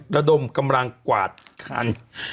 ระดมกำลังกวาดคัน